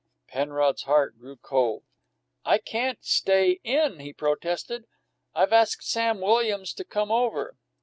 Penrod's heart grew cold. "I can't stay in," he protested. "I've asked Sam Williams to come over."